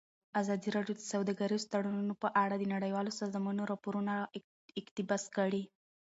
ازادي راډیو د سوداګریز تړونونه په اړه د نړیوالو سازمانونو راپورونه اقتباس کړي.